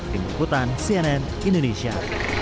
tim keputan cnn indonesia